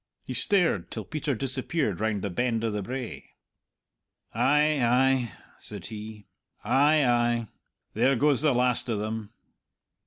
He stared till Peter disappeared round the Bend o' the Brae. "Ay, ay," said he, "ay, ay. There goes the last o' them."